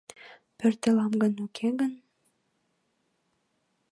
Пӧртылам гын, уке гын?...